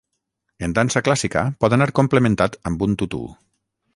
En dansa clàssica pot anar complementat amb un tutú.